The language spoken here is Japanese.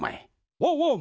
ワンワン！